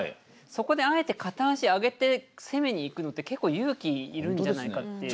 そこであえて片足上げて攻めにいくのって結構勇気いるんじゃないかっていう。